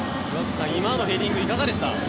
今のヘディングいかがでした？